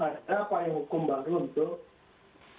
ada apa yang hukum baru untuk